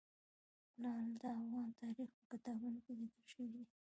لعل د افغان تاریخ په کتابونو کې ذکر شوی دي.